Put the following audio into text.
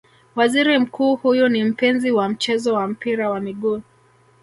Waziri Mkuu huyu ni mpenzi wa mchezo wa mpira wa miguu